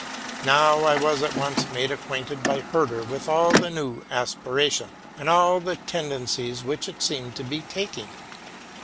Now I was at once made acquainted by Herder with all the new aspiration and all the tendencies which it seemed to be taking.